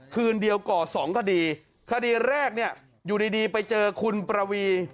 คืนเดียวก่อสองคดีคดีแรกเนี่ยอยู่ดีดีไปเจอคุณประวี